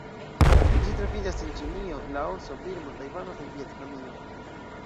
Ĝi troviĝas en Ĉinio, Laoso, Birmo, Tajvano kaj Vjetnamio.